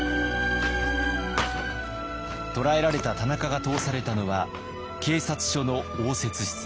捕らえられた田中が通されたのは警察署の応接室。